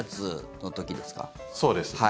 そうです。